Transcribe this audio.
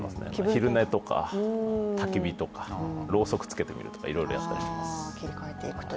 昼寝とか、たき火とか、ろうそくつけてみるとか、いろいろやっています。